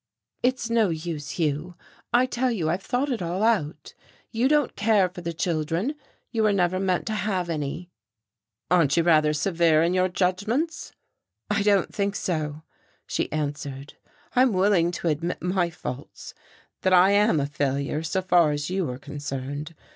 "It's no use, Hugh. I tell you I've thought it all out. You don't care for the children, you were never meant to have any." "Aren't you rather severe in your judgments?" "I don't think so," she answered. "I'm willing to admit my faults, that I am a failure so far as you are concerned.